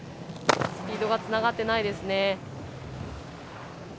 スピードがつながってないですね。